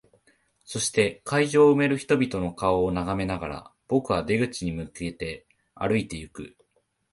そして、会場を埋める人々の顔を眺めながら、僕は出口に向けて歩いていく。